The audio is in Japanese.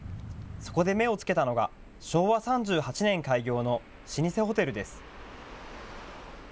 そこで目をつけたのが、昭和３８年開業の老舗ホテルです。